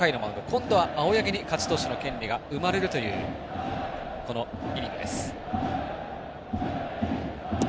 今度は、青柳に勝ち投手の権利が生まれるというこのイニングです。